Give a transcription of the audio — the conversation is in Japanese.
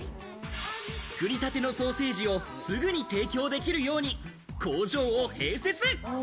作り立てのソーセージをすぐに提供できるように工場を併設。